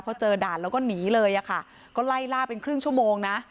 พอเจอด่านแล้วก็หนีเลยอะค่ะก็ไล่ล่าเป็นครึ่งชั่วโมงนะ